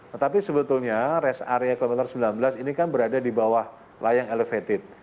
tetapi sebetulnya rest area kilometer sembilan belas ini kan berada di bawah layang elevated